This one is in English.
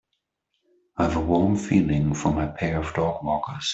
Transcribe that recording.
I have a warm feeling for my pair of dogwalkers.